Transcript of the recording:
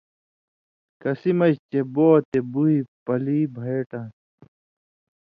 کسی مژ چے بو تے بُوئ پلی بھېٹان٘س۔